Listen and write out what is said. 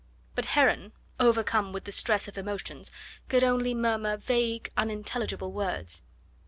But Heron, overcome with the stress of emotions, could only murmur vague, unintelligible words.